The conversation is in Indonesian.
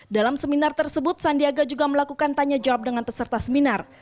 dalam seminar tersebut sandiaga juga melakukan tanya jawab dengan peserta seminar